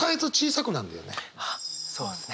あっそうですね。